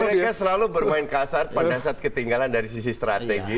mereka selalu bermain kasar pada saat ketinggalan dari sisi strategi